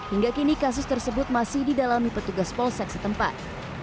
hingga kini kasus tersebut masih di dalam lipat tugas polsek setempat